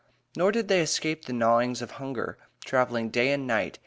Nor did they escape the gnawings of hunger, traveling day and night.